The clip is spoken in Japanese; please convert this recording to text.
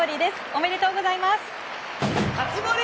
おめでとうございます。